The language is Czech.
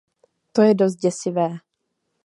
To je dost děsivé.